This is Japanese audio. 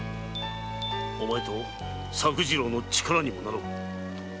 お前と作次郎の力にもなろう。